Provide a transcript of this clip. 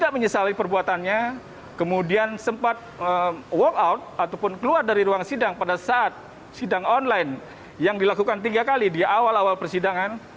tidak menyesali perbuatannya kemudian sempat walk out ataupun keluar dari ruang sidang pada saat sidang online yang dilakukan tiga kali di awal awal persidangan